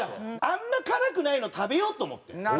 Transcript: あんまり辛くないの食べようと思って。